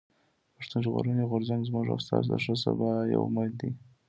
پښتون ژغورني غورځنګ زموږ او ستاسو د ښه سبا يو امېد دی.